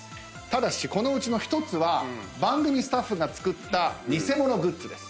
ただしこのうちの１つは番組スタッフが作った偽物グッズです。